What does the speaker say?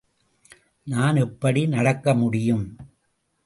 நான் எப்படி நடக்கமுடியும்?